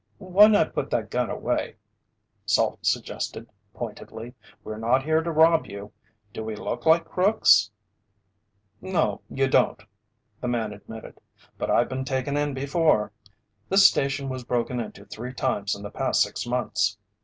"Why not put that gun away?" Salt suggested pointedly. "We're not here to rob you. Do we look like crooks?" "No, you don't," the man admitted, "but I've been taken in before. This station was broken into three times in the past six months.